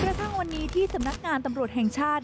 กระทั่งวันนี้ที่สำนักงานตำรวจแห่งชาติ